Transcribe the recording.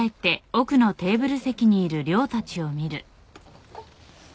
ここ。